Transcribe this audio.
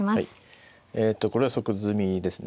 えとこれは即詰みですね。